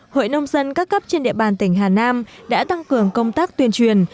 hội nông dân các cấp trên địa bàn tỉnh hà nam đã tăng cường công tác tuyên truyền